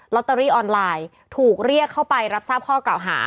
ตเตอรี่ออนไลน์ถูกเรียกเข้าไปรับทราบข้อกล่าวหา